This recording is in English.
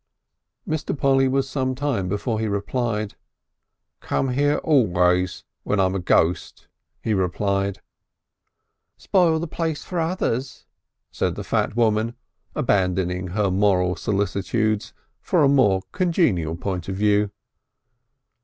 Mr. Polly was some time before he replied. "Come here always when I'm a ghost," he replied. "Spoil the place for others," said the fat woman, abandoning her moral solicitudes for a more congenial point of view.